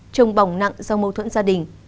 trông bỏng nặng do mâu thuẫn gia đình